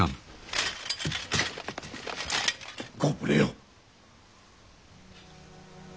ご無礼を。